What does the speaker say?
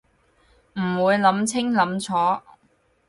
唔會諗清諗楚